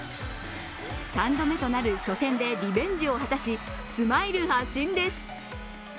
３度目となる初戦でリベンジを果たしスマイル発進です。